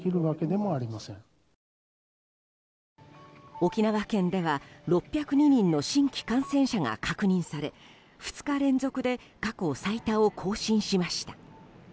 沖縄県では６０２人の新規感染者が確認され２日連続で過去最多を更新しました。